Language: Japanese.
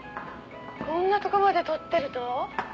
「こんなとこまで撮ってるの？」